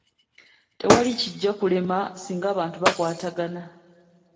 Tewali kijja kulema singa abantu batwatagana.